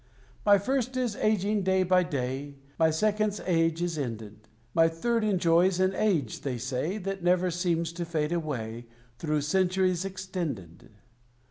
My First is ageing day by day: My Second's age is ended: My Third enjoys an age, they say, That never seems to fade away, Through centuries extended.